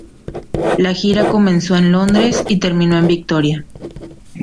La gira comenzó en Londres y terminó en Victoria.